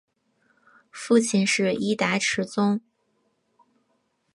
父亲是伊达持宗。